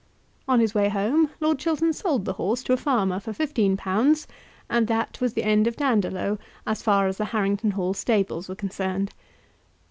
On his way home Lord Chiltern sold the horse to a farmer for fifteen pounds; and that was the end of Dandolo as far as the Harrington Hall stables were concerned.